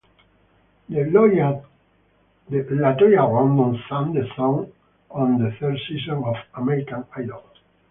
LaToya London sang the song on the third season of "American Idol".